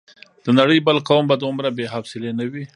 د نړۍ بل قوم به دومره بې حوصلې نه وي.